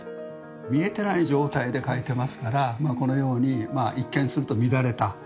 見えてない状態で書いてますからこのように一見すると乱れたですね